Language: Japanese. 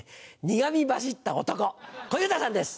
苦み走った男小遊三さんです。